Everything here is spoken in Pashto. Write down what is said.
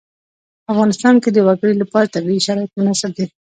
په افغانستان کې د وګړي لپاره طبیعي شرایط مناسب دي.